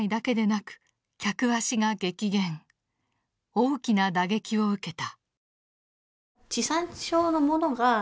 大きな打撃を受けた。